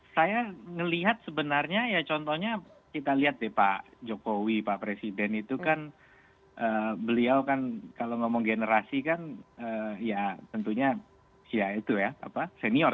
saya melihat sebenarnya ya contohnya kita lihat deh pak jokowi pak presiden itu kan beliau kan kalau ngomong generasi kan ya tentunya ya itu ya senior